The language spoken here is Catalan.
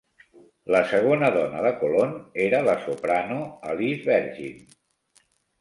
La segona dona de Colonne era la soprano Elise Vergin.